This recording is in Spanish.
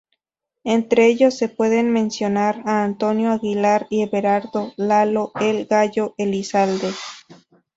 Entre ellos se puede mencionar a Antonio Aguilar y Everardo "lalo" El Gallo Elizalde.